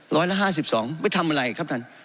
ร้อยละห้าสิบสองไปทำอะไรครับท่าน